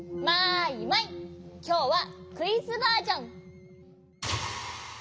きょうはクイズバージョン。